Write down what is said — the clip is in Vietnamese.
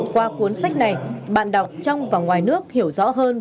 qua cuốn sách này bạn đọc trong và ngoài nước hiểu rõ hơn